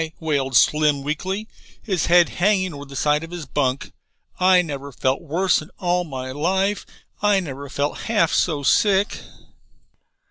wailed Slim weakly, his head hanging over the side of his bunk. "I never felt worse in all my life. I never felt half so sick."